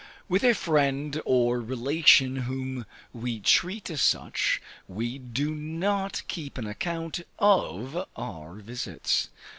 With a friend, or relation whom we treat as such, we do not keep an account of our visits.